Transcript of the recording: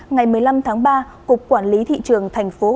ngày một mươi năm tháng ba